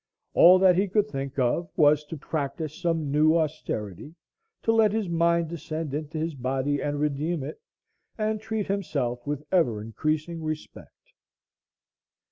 All that he could think of was to practise some new austerity, to let his mind descend into his body and redeem it, and treat himself with ever increasing respect.